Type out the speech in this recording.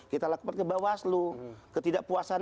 kita lakukan ke bawaslu ketidakpuasan